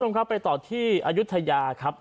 คุณผู้ชมครับไปต่อที่อายุทยาครับ